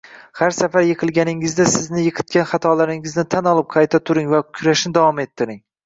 Har safar yiqilganingizda sizni yiqitgan xatolaringizni tan olib qayta turing va kurashni davom ettiring